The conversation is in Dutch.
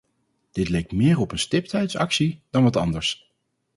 Dit leek meer op een stiptheidsactie dan wat anders.